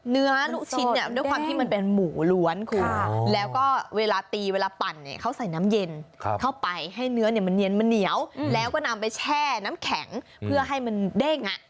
เนื้อลูกชิ้นเนี่ยด้วยความที่มันเป็นหมูล้วนคุณแล้วก็เวลาตีเวลาปั่นเนี่ยเขาใส่น้ำเย็นเข้าไปให้เนื้อเนี่ยมันเนียนมันเหนียวแล้วก็นำไปแช่น้ำแข็งเพื่อให้มันเด้ง